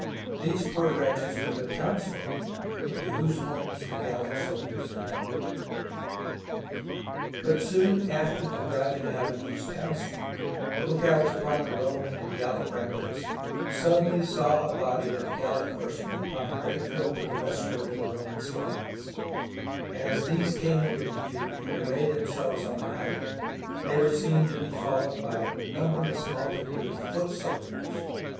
These poor wretches were the townsfolk into whose homes the Gallic soldiers had come. But soon after the driving out of these townsfolk, the outlooks upon the Roman and the Gallic ram [ 104] SIEGE OF ALESIA parts suddenly saw a body of Gallic horsemen upon a great hill to the westward of the Roman lines, and as these came into view and arrayed themselves on the height, they were seen to be fol lowed by a numberless multitude of foot soldiers.